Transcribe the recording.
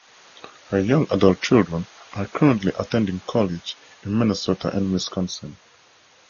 Her young adult children are currently attending college in Minnesota and Wisconsin.